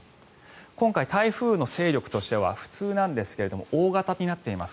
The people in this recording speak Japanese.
今回、台風の勢力としては普通なんですが大型になっています。